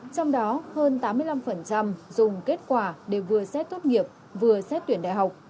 trong đó hơn tám mươi năm dùng kết quả để vừa xét tốt nghiệp vừa xét tuyển đại học